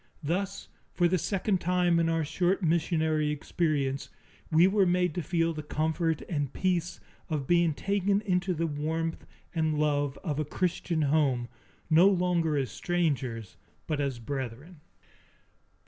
Thus, for the second time in our short missionary experience, we were made to feel the comfort and peace of being taken into the warmth and love of a Christian home, no longer as strangers, but as brethren.